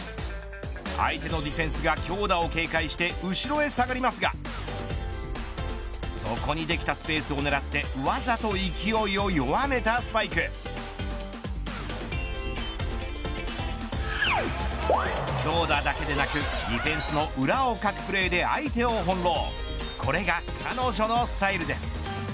相手のディフェンスが強打を警戒して後ろへ下がりますがそこにできたスペースを狙ってわざと勢いを弱めたスパイク強打だけでなくディフェンスの裏をかくプレーで相手を翻弄これが彼女のスタイルです。